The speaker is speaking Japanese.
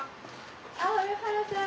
・あっ上原さん！